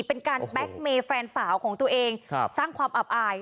เป็นการแบ็คเมย์แฟนสาวของตัวเองสร้างความอับอาย